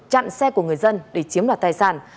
chặn xe của người dân để chiếm đoạt tài sản